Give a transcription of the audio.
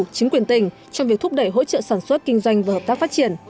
chính quyền tỉnh trong việc thúc đẩy hỗ trợ sản xuất kinh doanh và hợp tác phát triển